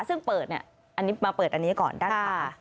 ซึ่งเปิดเนี่ยอันนี้มาเปิดอันนี้ก่อนด้านขวา